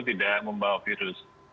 tidak membawa virus